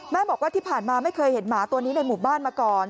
บอกว่าที่ผ่านมาไม่เคยเห็นหมาตัวนี้ในหมู่บ้านมาก่อน